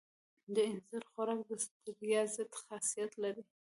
د اینځر خوراک د ستړیا ضد خاصیت لري.